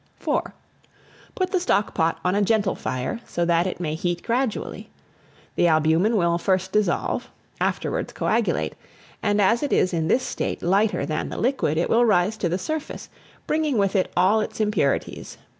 IV. PUT THE STOCK POT ON A GENTLE FIRE, so that it may heat gradually. The albumen will first dissolve, afterwards coagulate; and as it is in this state lighter than the liquid, it will rise to the surface; bringing with it all its impurities.